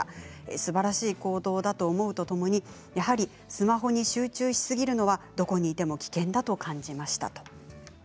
すばらしい行動だと思うとともにやはりスマホに集中しすぎるのはどこにいても危険だと感じました。